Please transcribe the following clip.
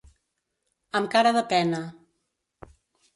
Amb cara de pena.